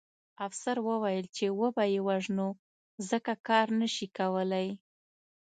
افسر وویل چې وبه یې وژنو ځکه کار نه شي کولی